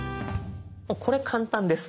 これ簡単です。